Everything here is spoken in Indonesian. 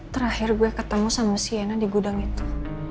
terakhir gue ketemu sama siena di gudang itu